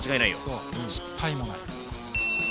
そう失敗もない！